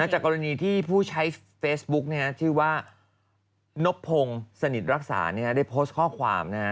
จากกรณีที่ผู้ใช้เฟซบุ๊คชื่อว่านพพงศ์สนิทรักษาได้โพสต์ข้อความ